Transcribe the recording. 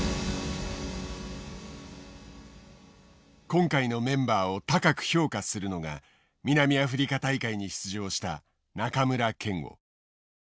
今回のメンバーを高く評価するのが南アフリカ大会に出場した中村憲剛。